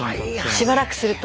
しばらくすると。